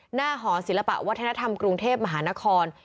หอศิลปะวัฒนธรรมกรุงเทพมหานคร